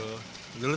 dulu sering makan